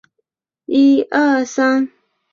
设有电脑辅助学习中心。